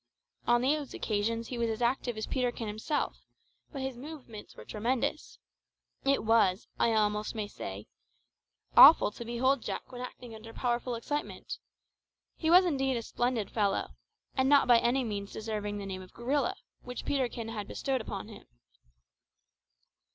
On those occasions he was as active as Peterkin himself, but his movements were tremendous. It was, I may almost say, awful to behold Jack when acting under powerful excitement. He was indeed a splendid fellow, and not by any means deserving of the name of gorilla, which Peterkin had bestowed on him.